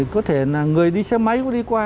có thể là người đi xe máy cũng đi qua